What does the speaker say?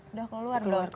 udah keluar kok